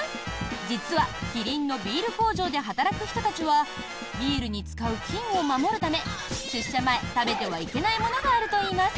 実は、キリンのビール工場で働く人たちはビールに使う菌を守るため出社前、食べてはいけないものがあるといいます。